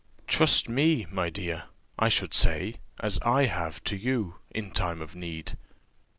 Trust me, my dear, I should say, as I have to you, in time of need.